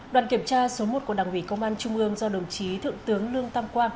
đoàn kiểm tra số một của đảng ủy công an trung ương do đồng chí thượng tướng lương tam quang